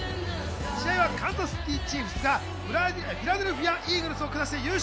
試合はカンザスシティ・チーフスがフィラデルフィア・イーグルスを下して優勝。